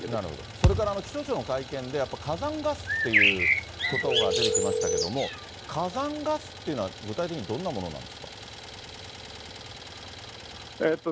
それから気象庁の会見で、やっぱ火山ガスということが出てきましたけども、火山ガスっていうのは、具体的にどんなものなんですか。